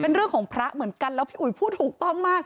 เป็นเรื่องของพระเหมือนกันแล้วพี่อุ๋ยพูดถูกต้องมาก